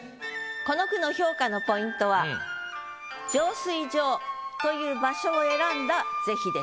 この句の評価のポイントは「浄水場」という場所を選んだ是非です。